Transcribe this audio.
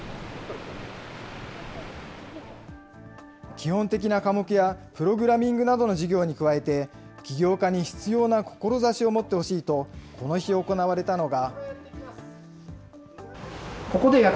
基本的な科目やプログラミングなどの授業に加えて、起業家に必要な志を持ってほしいと、この日、行われたのが。